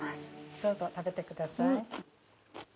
どうぞ食べてください。